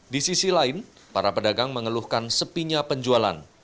di sisi lain para pedagang mengeluhkan sepinya penjualan